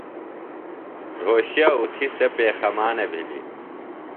رھوشے اُتھیۡ سےۡ پیخَمانہ بِھلیۡ۔